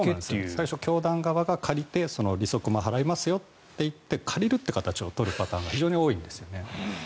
最初、教団側が借りて利息も払いますよといって借りるという形を取るパターンが非常に多いんですよね。